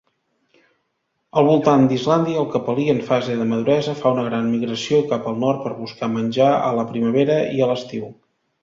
Al voltant d"Islàndia, el capelí, en fase de maduresa, fa una gran migració cap al nord per buscar menjar, a la primavera i a l"estiu.